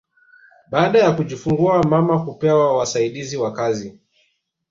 Baada ya kujifungua mama hupewa wasaidizi wa kazi